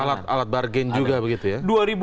alat alat bargain juga begitu ya